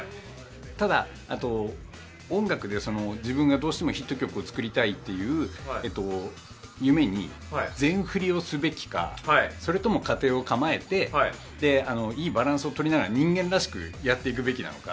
ただ、音楽で自分がどうしてもヒット曲を作りたいという夢に全振りをすべきかそれとも家庭を構えていいバランスを取りながら人間らしくやっていくべきなのか。